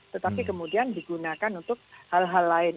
tetapi kemudian digunakan untuk hal hal lain